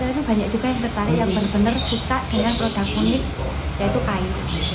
itu banyak juga yang tertarik yang benar benar suka dengan produk unik yaitu kain